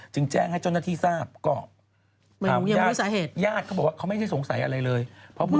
จึงแจ้งให้โจทย์นาฬิกาที่รู้